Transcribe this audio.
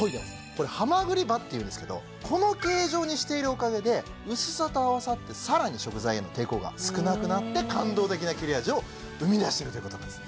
これハマグリ刃っていうんですけどこの形状にしているおかげで薄さと合わさって更に食材への抵抗が少なくなって感動的な切れ味を生み出してるということなんです